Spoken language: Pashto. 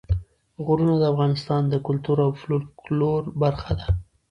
غرونه د افغانستان د کلتور او فولکلور برخه ده.